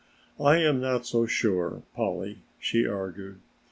"I am not so sure, Polly," she argued.